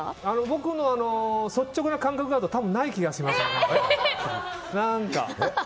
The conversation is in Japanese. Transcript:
僕の率直な感覚だと多分ないと思いますね。